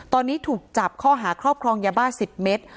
ตอนนี้ถูกจับข้อหาครอบครองยาบ้า๑๐เมตร